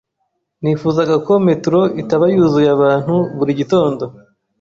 Nifuzaga ko metro itaba yuzuye abantu buri gitondo.